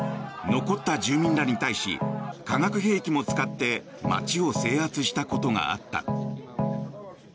残った住民らに対し化学兵器も使って街を制圧したことがあった。